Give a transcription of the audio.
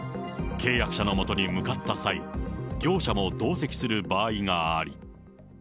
契約者の元に向かった際、業者も同席する場合がある。